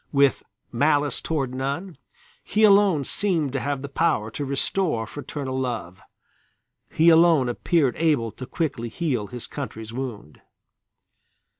With "malice toward none" he alone seemed to have the power to restore fraternal love. He alone appeared able to quickly heal his country's wound.